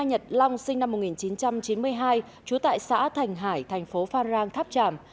mai nhật long sinh năm một nghìn chín trăm chín mươi hai trú tại xã thành hải tp phan rang tháp tràm